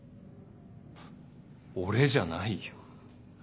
俺じゃないよ